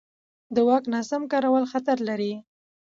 د واک ناسم کارول خطر لري